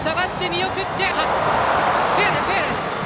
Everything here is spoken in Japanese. フェアです！